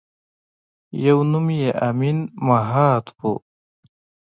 یوه نوم یې امین مهات وه.